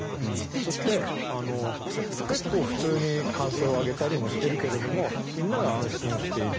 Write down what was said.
そして結構、普通に歓声を上げたりもしているけどみんなが安心をしている。